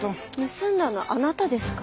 盗んだのあなたですか？